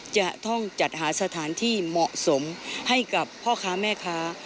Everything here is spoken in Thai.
จะต้องจัดหาสถานที่เหมาะสมให้กับพ่อค้าแม่ค้า